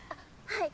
はい。